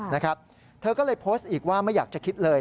นะครับเธอก็เลยโพสต์อีกว่าไม่อยากจะคิดเลย